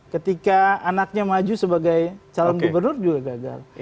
ketika anaknya maju sebagai calon gubernur juga gagal